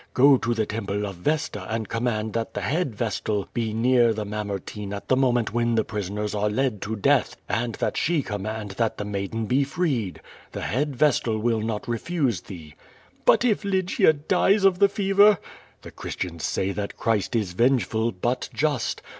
Go to the temple of Vesta and com mand that the head vestal be near the Mamertine at the moment when the ])risoners are led to death, and that she command that the maiden be freed. The head vestal will not refuse thee.'' 'But if Lygia dies of the fever?" 'The Christians say that Christ is vengeful, but just.